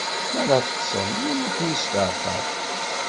Mi ara teṭṭṣem, yiwen ur kwen-isfeɛfiɛ.